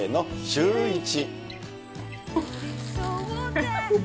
シューイチ。